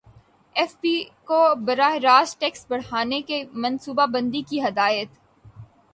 F B کو براہ راست ٹیکس بڑھانے کی منصوبہ بندی کی ہدایت